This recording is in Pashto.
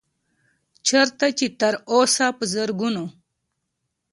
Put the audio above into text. چرته چې تر اوسه پۀ زرګونو